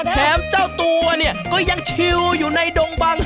เจ้าตัวเนี่ยก็ยังชิวอยู่ในดงบัง